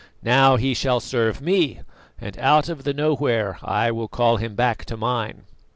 Now he shall serve me, and out of the nowhere I will call him back to mine."